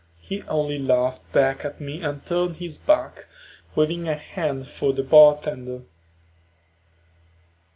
He only laughed back at me and turned his back, waving a hand for the bartender.